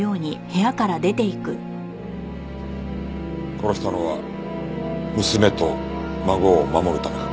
殺したのは娘と孫を守るためか？